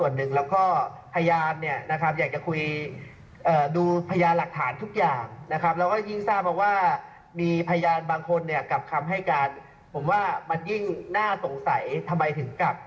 จริงว่ามันยิ่งน่าสงสัยสิทธิ์ว่าทำไมถึงกลับ